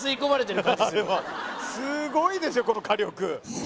すごいでしょこの火力。